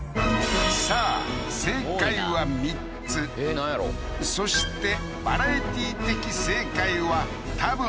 さあ正解は３つそしてバラエティ的正解は多分